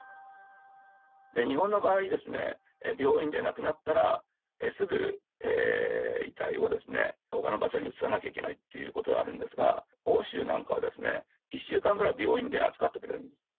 日本の場合、病院で亡くなったら、すぐ遺体をほかの場所に移さなきゃいけないということがあるんですが、欧州なんかはですね、１週間ぐらい病院で預かってくれるんです。